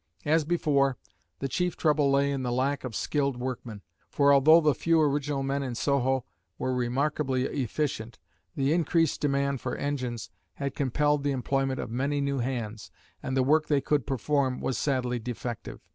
As before, the chief trouble lay in the lack of skilled workmen, for although the few original men in Soho were remarkably efficient, the increased demand for engines had compelled the employment of many new hands, and the work they could perform was sadly defective.